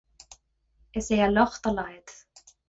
Is é a locht a laghad.